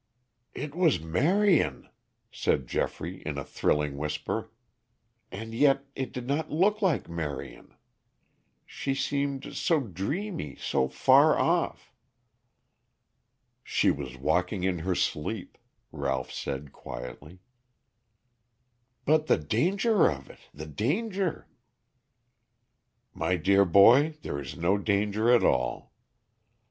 "It was Marion!" said Geoffrey in a thrilling whisper. "And yet it did not look like Marion. She seemed so dreamy; so far off." "She was walking in her sleep," Ralph said quietly. "But the danger of it, the danger!" "My dear boy, there is no danger at all.